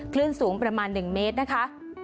คลื่นสูงประมาณ๑เมตรนะคะ